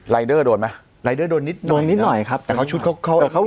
เดอร์โดนไหมรายเดอร์โดนนิดโดนนิดหน่อยครับแต่เขาชุดเขาเขา